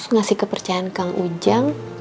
ngasih kepercayaan kang ujang